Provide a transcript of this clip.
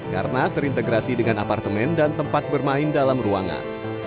karena terintegrasi dengan apartemen dan tempat bermain dalam ruangan